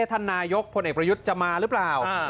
ท่านนายกพลเอกประยุทธ์จะมาหรือเปล่า